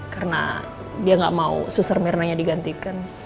karena dia gak mau suster myrna nya digantikan